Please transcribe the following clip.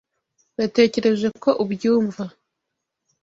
Natekereje ko ubyumva.